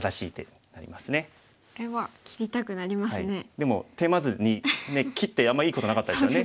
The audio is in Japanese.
でもテーマ図２切ってあんまいいことなかったですよね。